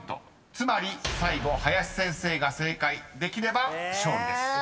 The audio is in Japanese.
［つまり最後林先生が正解できれば勝利です］